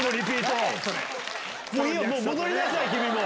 戻りなさい君も。